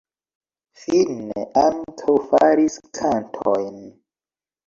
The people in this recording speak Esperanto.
Finne ankaŭ faris kantojn.